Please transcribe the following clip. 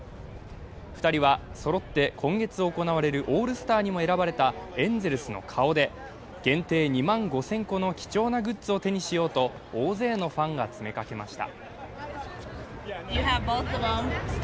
２人はそろって今月行われるオールスターにも選ばれた選ばれたエンゼルスの顔で限定２万５０００個の貴重なグッズを手にしようと大勢のファンが詰めかけました。